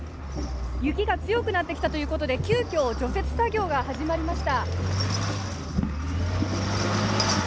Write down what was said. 雪が強くなってきたということで急きょ除雪作業が始まりました。